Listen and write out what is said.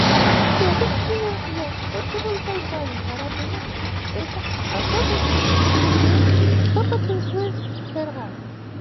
Eguzki-energia fotovoltaikoaren garapena eta autokontsumo elektrikoa oztopatzen zuen zergak.